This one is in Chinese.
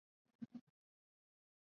刘季平人。